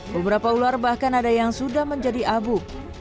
beberapa ular bahkan ada yang sudah menjadi abu